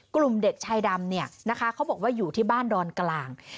กลุ่มเด็กชายดำเนี่ยนะคะเขาบอกว่าอยู่ที่บ้านดอนกลาง